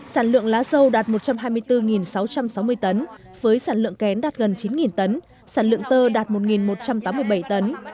sản lượng lá dâu đạt một trăm hai mươi bốn sáu trăm sáu mươi tấn với sản lượng kén đạt gần chín tấn sản lượng tơ đạt một một trăm tám mươi bảy tấn